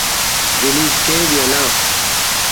ڈیلیٹ کیو یا نہ